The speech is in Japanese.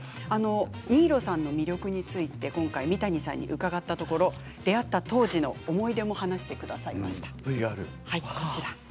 新納さんの魅力について三谷さんに伺ったところ出会った当初の思い出も話してくれました。